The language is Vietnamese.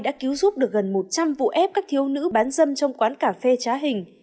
đã cứu giúp được gần một trăm linh vụ ép các thiếu nữ bán dâm trong quán cà phê trá hình